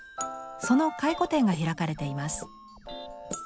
その回顧展が開かれています。